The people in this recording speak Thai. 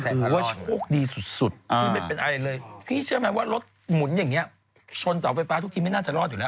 ถือว่าโชคดีสุดที่ไม่เป็นอะไรเลยพี่เชื่อไหมว่ารถหมุนอย่างนี้ชนเสาไฟฟ้าทุกทีไม่น่าจะรอดอยู่แล้ว